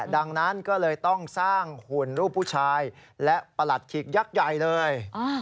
ดังนั้นก็เลยต้องสร้างหุ่นรูปผู้ชายและประหลัดขีกยักษ์ใหญ่เลย